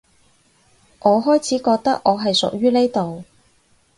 我開始覺得我係屬於呢度